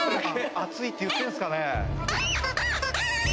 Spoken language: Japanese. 熱いって言ってるんすかね？